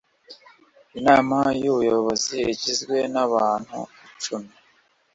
Inama y’ ubuyobozi igizwe n’ abantu icumi